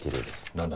何だ？